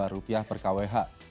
rupiah per kwh